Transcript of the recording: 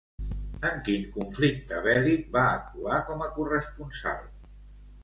En quin conflicte bèl·lic va actuar com a corresponsal?